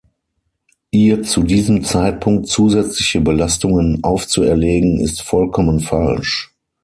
Ihr zu diesem Zeitpunkt zusätzliche Belastungen aufzuerlegen, ist vollkommen falsch.